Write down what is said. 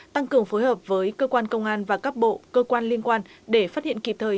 tăng cường phối hợp với cơ quan công an và các bộ cơ quan liên quan để phát hiện kịp thời